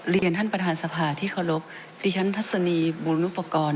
เรียนท่านประธานสภาที่เคารพดิฉันทัศนีบุรณุปกรณ์